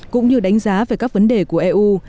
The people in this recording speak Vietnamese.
cũng như đánh giá về các vấn đề của eu